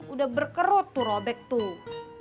udah berkerut tuh robek tuh